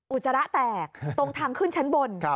อุจจาระแตกตรงทางขึ้นชั้นบน